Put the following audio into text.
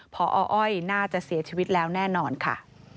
พออ้อยน่าจะเสียชีวิตแล้วแน่นอนค่ะ